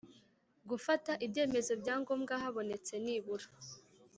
Gufata ibyemezo bya ngombwa habonetse nibura